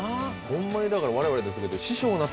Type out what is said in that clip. ホンマにだから我々ですけど。